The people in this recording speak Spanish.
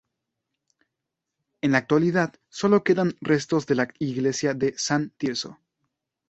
En la actualidad solo quedan restos de la iglesia de San Tirso.